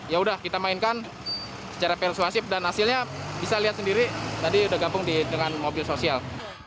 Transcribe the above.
ya udah kita mainkan secara persuasif dan hasilnya bisa lihat sendiri tadi udah gabung dengan mobil sosial